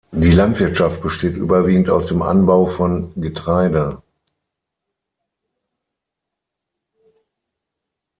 Die Landwirtschaft besteht überwiegend aus dem Anbau von Getreide.